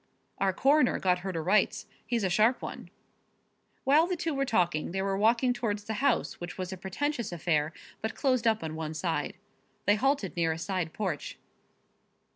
"Our coroner got her to rights. He's a sharp one." While the two were talking they were walking towards the house, which was a pretentious affair but closed up on one side. They halted near a side porch.